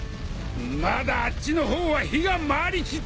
まだあっちの方は火が回りきっとらん！